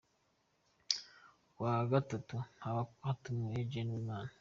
Ku wa Gatatu: Haba hatumiwe Janne Uwimana.